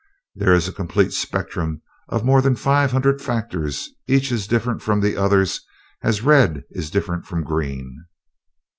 There is a complete spectrum of more than five hundred factors, each as different from the others as red is different from green.